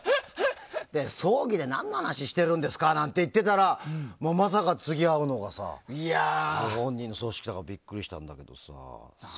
葬儀でなんの話してるんですかなんて言ってたらまさか、次会うのがご本人のお葬式だからビックリしたんだけどさ。